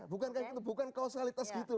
bukan bukan bukan kausalitas gitu